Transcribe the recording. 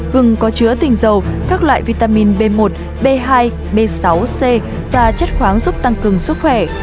gừng có chứa tinh dầu các loại vitamin b một b hai b sáu c và chất khoáng giúp tăng cường sức khỏe